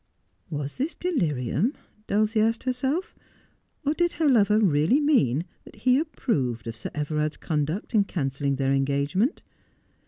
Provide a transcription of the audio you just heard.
Was this delirium 1 Dulcie asked herself ; or did her lover really mean that he approved of Sir Everard's conduct in can celling their engagement